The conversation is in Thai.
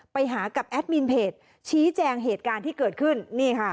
ไปหากับแอดมินเพจชี้แจงเหตุการณ์ที่เกิดขึ้นนี่ค่ะ